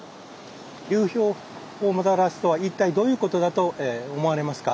流氷をもたらすとは一体どういうことだと思われますか？